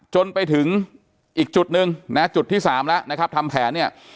จนไปถึงอีกจุดนึงนะจุดที่สามแล้วนะครับทำแผนเนี่ย